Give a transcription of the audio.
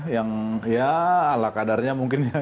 yang ya ala kadarnya mungkin ya